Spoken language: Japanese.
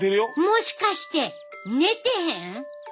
もしかして寝てへん？